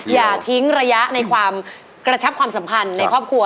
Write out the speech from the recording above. อย่าทิ้งระยะในความกระชับความสัมพันธ์ในครอบครัว